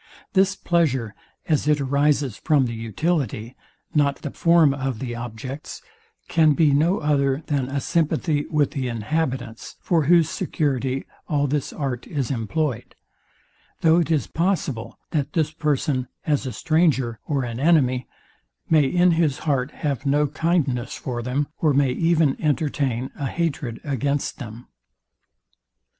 This pleasure, as it arises from the utility, not the form of the objects, can be no other than a sympathy with the inhabitants, for whose security all this art is employed; though it is possible, that this person, as a stranger or an enemy, may in his heart have no kindness for them, or may even entertain a hatred against them.